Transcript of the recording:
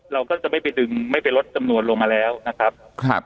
เราก็จะไม่ไปดึงไม่ไปลดจำนวนลงมาแล้วนะครับ